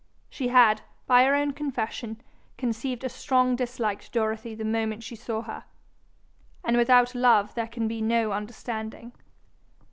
She had, by her own confession, conceived a strong dislike to Dorothy the moment she saw her, and without love there can be no understanding.